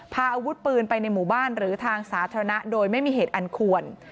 พาอาวุธปืนไปในหมู่บ้านหรือทางสาธารณะโดยไม่มีเหตุอันควร